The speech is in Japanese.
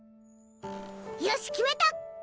よし決めた！